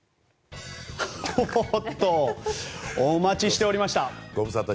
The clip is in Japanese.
お待ちしておりました。